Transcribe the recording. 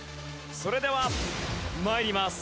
それでは参ります。